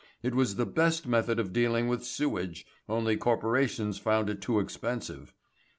It was the best method of dealing with sewage, only corporations found it too expensive.